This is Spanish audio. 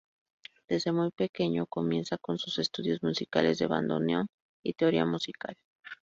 Desde muy pequeño comienza con sus estudios musicales de bandoneón y teoría musical.